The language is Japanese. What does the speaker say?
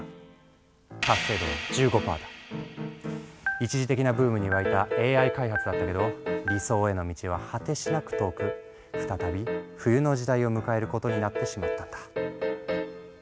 一時的なブームに沸いたＡＩ開発だったけど理想への道は果てしなく遠く再び冬の時代を迎えることになってしまったんだ。